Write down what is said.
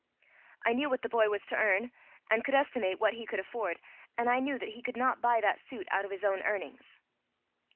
"I knew what the boy was to earn, and could estimate what he could afford, and I knew that he could not buy that suit out of his own earnings.